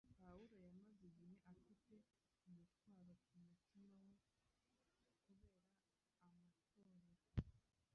Pawulo yamaze igihe afite umutwaro ku mutima we kubera amatorero.